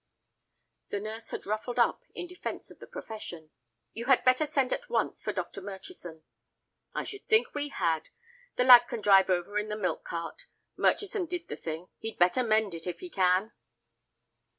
The nurse had ruffled up in defence of the profession. "You had better send at once for Dr. Murchison." "I should think we had. The lad can drive over in the milk cart. Murchison did the thing; he'd better mend it, if he can."